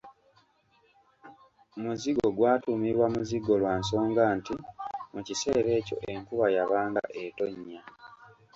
Muzigo gwatuumibwa Muzigo lwa nsonga nti mu kiseera ekyo enkuba yabanga etonnya.